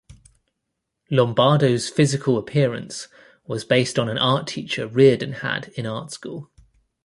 Lombardo's physical appearance was based on an art teacher Reardon had in art school.